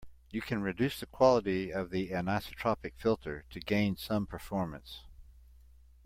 You can reduce the quality of the anisotropic filter to gain some performance.